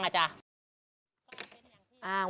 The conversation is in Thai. พี่ก็ขอโทษด้วย